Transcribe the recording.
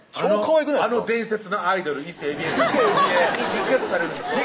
あの伝説のアイドル・伊勢海老絵さんにリクエストされるんでしょ？